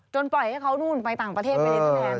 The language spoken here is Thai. จนปล่อยให้เขานู่นไปต่างประเทศไม่ได้แสนแดน